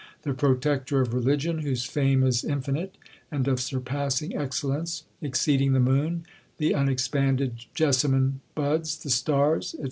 "The protector of religion, whose fame is infinite, and of surpassing excellence, exceeding the moon, the unexpanded jessamine buds, the stars, &c.